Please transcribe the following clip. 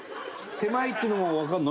狭いっていうのもわかるの？